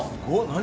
何？